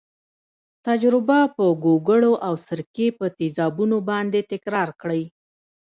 تجربه په ګوګړو او سرکې په تیزابونو باندې تکرار کړئ.